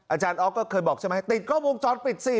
อาจารย์ออฟก็เคยบอกใช่ไหมติดกล้องวงจรปิดสิ